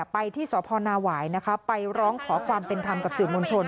ไปที่สพนาหวายไปร้องขอความเป็นธรรมกับสื่อมวลชน